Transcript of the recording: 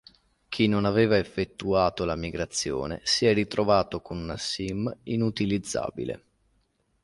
Chi non aveva effettuato la migrazione si è ritrovato con una sim inutilizzabile.